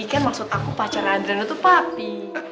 kan maksud aku pacar andrianda tuh papi